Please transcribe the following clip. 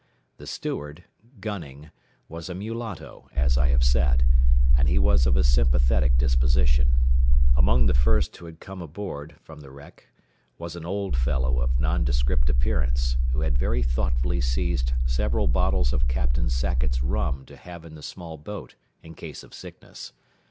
The steward, Gunning, was a mulatto, as I have said, and he was of a sympathetic disposition. Among the men who had first come aboard from the wreck was an old fellow of nondescript appearance who had very thoughtfully seized several bottles of Captain Sackett's rum to have in the small boat in case of sickness.